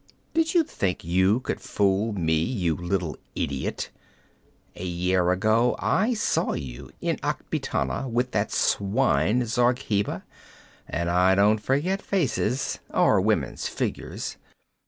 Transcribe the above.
Did you think you could fool me, you little idiot? A year ago I saw you in Akbitana with that swine, Zargheba, and I don't forget faces or women's figures.